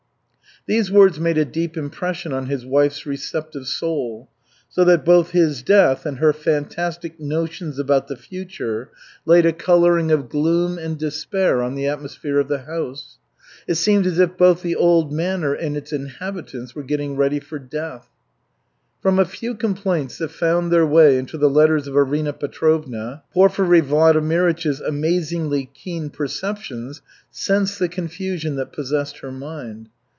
These words made a deep impression on his wife's receptive soul, so that both his death and her fantastic notions about the future laid a coloring of gloom and despair on the atmosphere of the house. It seemed as if both the old manor and its inhabitants were getting ready for death. From a few complaints that found their way into the letters of Arina Petrovna, Porfiry Vladimirych's amazingly keen perceptions sensed the confusion that possessed her mind.